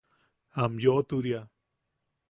Am yoʼoturia.